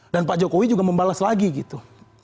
dan pak jokowi juga membalas lagi gitu